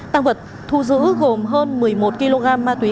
tăng vật thu giữ gồm hơn một mươi một kg ma túy